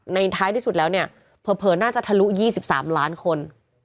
ท้ายที่สุดแล้วเนี่ยเผลอน่าจะทะลุ๒๓ล้านคน